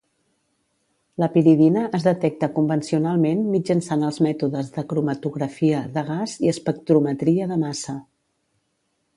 La piridina es detecta convencionalment mitjançant els mètodes de cromatografia de gas i espectrometria de massa.